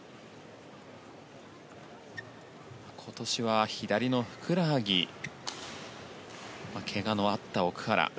今年は左のふくらはぎけがのあった奥原。